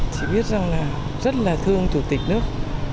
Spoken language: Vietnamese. chỉ biết rằng là rất là thương chủ tịch nước